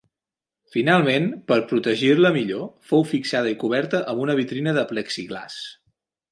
Finalment, per protegir-la millor, fou fixada i coberta amb una vitrina de plexiglàs.